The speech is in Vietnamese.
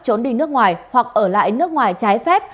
trốn đi nước ngoài hoặc ở lại nước ngoài trái phép